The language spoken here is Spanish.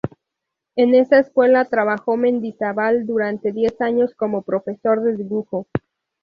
En esta escuela trabajó Mendizabal durante diez años como profesor de dibujo.